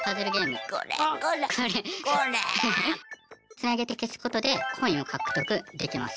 つなげて消すことでコインを獲得できます。